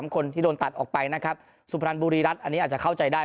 คนที่โดนตัดออกไปนะครับสุพรรณบุรีรัฐอันนี้อาจจะเข้าใจได้